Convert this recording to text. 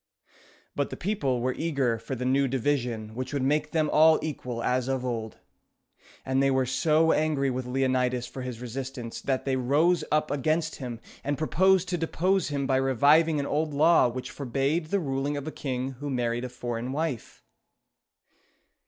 But the people were eager for the new division which would make them all equal as of old; and they were so angry with Leonidas for his resistance, that they rose up against him, and proposed to depose him by reviving an old law which forbade the ruling of a king who married a foreign wife.